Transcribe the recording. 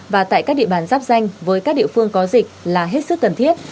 và tại các địa bàn giáp danh với các địa phương có dịch là hết sức cần thiết